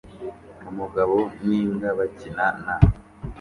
Umugabo n'imbwa bakina na